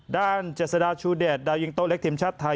เจษฎาชูเดชดาวยิงโต๊เล็กทีมชาติไทย